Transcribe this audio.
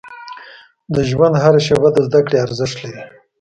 • د ژوند هره شیبه د زده کړې ارزښت لري.